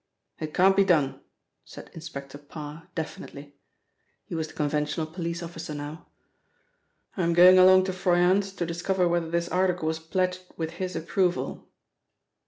"It can't be done," said Inspector Parr definitely. He was the conventional police officer now. "I'm going along to Froyant's to discover whether this article was pledged with his approval."